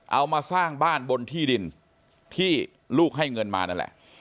เอามาสร้างบ้านบนที่ดินที่ลูกให้เงินมานั่นแหละ